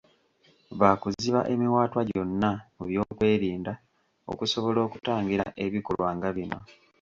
Baakuziba emiwaatwa gyonna mu byokwerinda, okusobola okutangira ebikolwa nga bino.